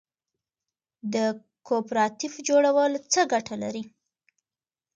د کوپراتیف جوړول څه ګټه لري؟